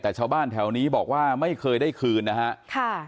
แต่ชาวบ้านแถวนี้บอกว่าไม่เคยได้คืนนะฮะค่ะ